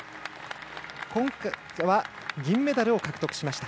今回は銀メダルを獲得しました。